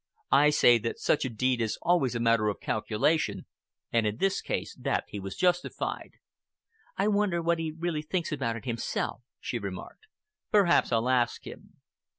I say that such a deed is always a matter of calculation, and in this case that he was justified." "I wonder what he really thinks about it himself," she remarked. "Perhaps I'll ask him."